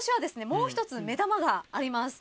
もう１つ目玉があります。